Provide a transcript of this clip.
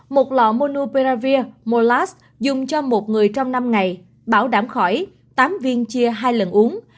một lọ monuperavir molas dùng cho một người trong năm ngày bảo đảm khỏi tám viên chia hai lần uống